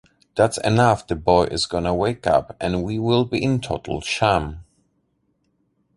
That's enough the boy is gonna wake up and we will be in total sham.